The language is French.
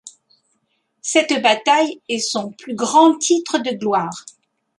Cette bataille est son plus grand titre de gloire.